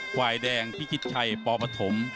ฝ่ายแดงพิชิตชัยปปฐม